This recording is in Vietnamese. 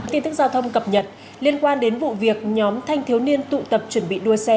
tin tức giao thông cập nhật liên quan đến vụ việc nhóm thanh thiếu niên tụ tập chuẩn bị đua xe